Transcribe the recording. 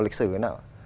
lịch sử thế nào